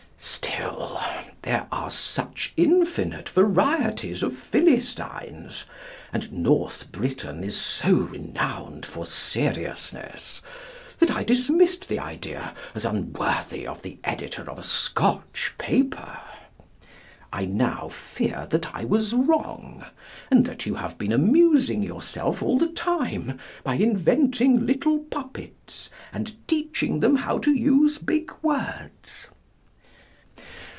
Still, there are such infinite varieties of Philistines, and North Britain is so renowned for seriousness, that I dismissed the idea as unworthy of the editor of a Scotch paper. I now fear that I was wrong, and that you have been amusing yourself all the time by inventing little puppets and teaching them how to use big words.